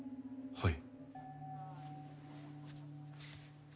はい。